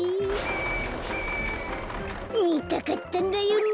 みたかったんだよね。